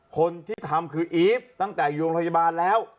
คนที่ทำคืออีฟตั้งแต่อยู่โรงพยาบาลแล้ว